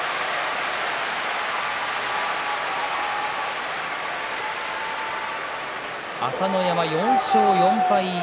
拍手朝乃山、４勝４敗。